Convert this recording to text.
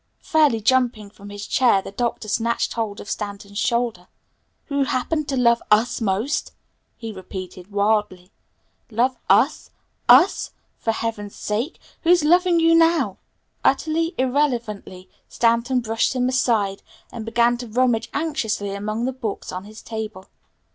Fairly jumping from his chair the Doctor snatched hold of Stanton's shoulder. "Who happen to love us most?" he repeated wildly. "Love us? us? For heaven's sake, who's loving you now?" Utterly irrelevantly, Stanton brushed him aside, and began to rummage anxiously among the books on his table.